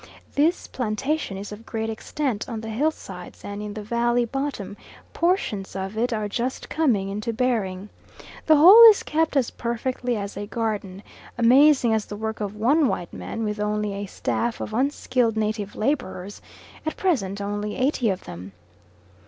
This plantation is of great extent on the hill sides and in the valley bottom, portions of it are just coming into bearing. The whole is kept as perfectly as a garden, amazing as the work of one white man with only a staff of unskilled native labourers at present only eighty of them.